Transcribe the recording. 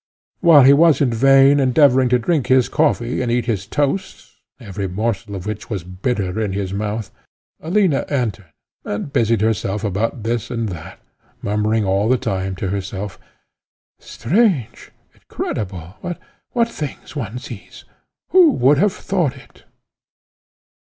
While he was in vain endeavouring to drink his coffee and eat his toast, every morsel of which was bitter in his mouth, Alina entered, and busied herself about this and that, murmuring all the time to herself "Strange! incredible! What things one sees! Who would have thought it?"